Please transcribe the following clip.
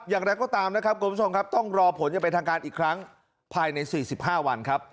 อย่างนั้นก็ตามต้องรอผลอย่าไปทางการอีกครั้งภายใน๔๕วัน